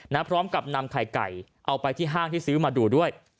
พร้อมกับนำไข่ไก่เอาไปที่ห้างที่ซื้อมาดูด้วย